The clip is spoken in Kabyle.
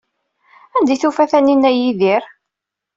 Anda ay d-tufa Taninna Yidir?